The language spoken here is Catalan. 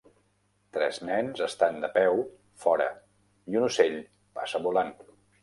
Tres nens estan de peu fora i un ocell passa volant.